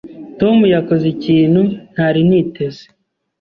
Tom yakoze ikintu ntari niteze.